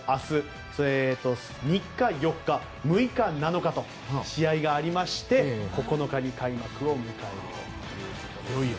３日、４日、６日、７日と試合がありまして９日に開幕を迎えるということです。